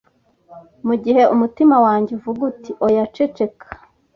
Mugihe umutima wanjye uvuga uti: "Oya, ceceka.